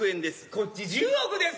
こっち１０億です。